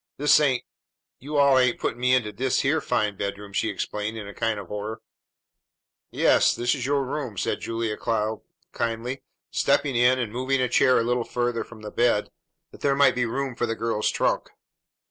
"This ain't you all ain't puttin' me inta dis year fine bedroom!" she exclaimed in a kind of horror. "Yes, this is your room," said Julia Cloud kindly, stepping in and moving a chair a little farther from the bed, that there might be room for the girl's trunk.